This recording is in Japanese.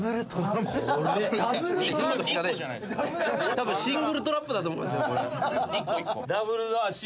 たぶんシングルトラップだと思いますよ。